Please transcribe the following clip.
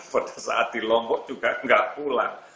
pada saat di lombok juga nggak pulang